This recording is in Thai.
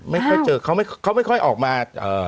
ไม่ค่อยเจอเขาไม่ค่อยออกมา